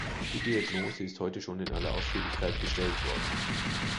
Die Diagnose ist heute schon in aller Ausführlichkeit gestellt worden.